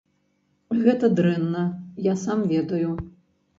Гэта дрэнна, я сам ведаю.